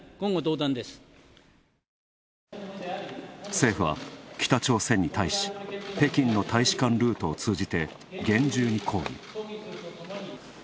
政府は北朝鮮に対し北京の大使館ルートを通じて厳重に抗議。